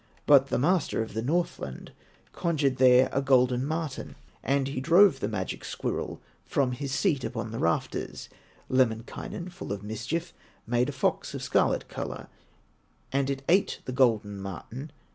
But the master of the Northland Conjured there a golden marten, And he drove the magic squirrel From his seat upon the rafters. Lemminkainen, full of mischief, Made a fox of scarlet color, And it ate the golden marten.